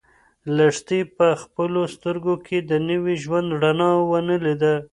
لښتې په خپلو سترګو کې د نوي ژوند رڼا ونه لیده.